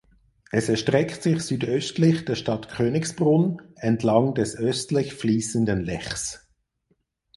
Es erstreckt sich südöstlich der Stadt Königsbrunn entlang des östlich fließenden Lechs.